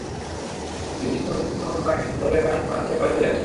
দ্বিতীয় বর্ষ অতিক্রম করার আগে মাদকের কারণে পড়া ছেড়ে বাড়ি চলে আসেন।